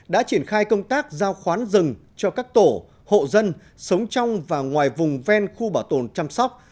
đã triển khai công tác giao khoán rừng cho các tổ hộ dân sống trong và ngoài vùng ven khu bảo tồn chăm sóc